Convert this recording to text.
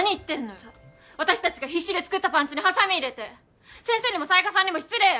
イッタ私達が必死で作ったパンツにハサミ入れて先生にも犀賀さんにも失礼よ